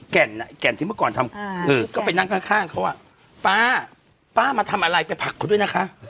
แก่นที่เมื่อก่อนทำก็ไปนั่งข้างเขาอ่ะป้าป้ามาทำอะไรไปผักเขาด้วยนะคะ